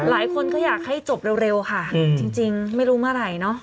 หลายคนก็อยากให้จบเร็วค่ะจริงไม่รู้เมื่อไหร่เนอะ